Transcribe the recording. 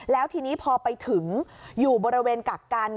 แล้วทีนี้พอไปถึงอยู่บริเวณกักกัน